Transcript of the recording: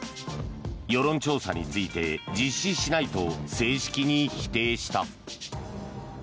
世論調査について実施しないと正式に否定した。